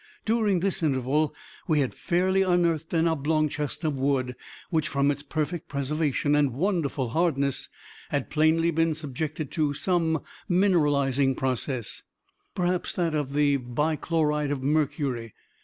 During this interval we had fairly unearthed an oblong chest of wood, which, from its perfect preservation and wonderful hardness, had plainly been subjected to some mineralizing process perhaps that of the bi chloride of mercury.